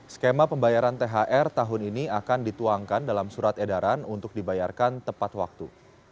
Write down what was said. skema pembayaran thr tahun ini akan dituangkan dalam surat edaran untuk dibayarkan tepat waktu